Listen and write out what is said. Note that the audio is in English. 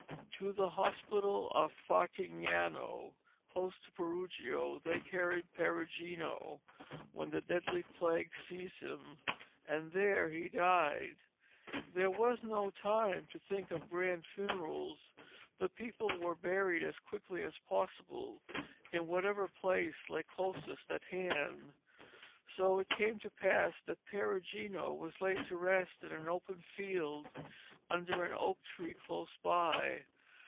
To the hospital of Fartignano, close to Perugia, they carried Perugino when the deadly plague seized him, and there he died. There was no time to think of grand funerals; the people were buried as quickly as possible, in whatever place lay closest at hand. So it came to pass that Perugino was laid to rest in an open field under an oak tree close by.